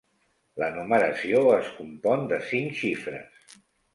La numeració es compon de cinc xifres.